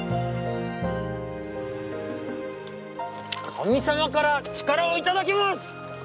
神様から力を頂きます！